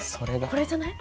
これじゃない？